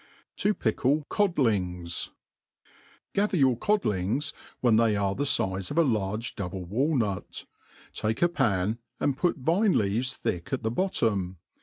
To pickle Codlings. GATHER your codlings when they are the fize of a large double walnut ; take a pan, and put vine leaves thick at the bottom.